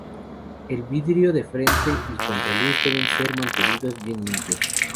El vidrio de frente y contraluz deben ser mantenidos bien limpios.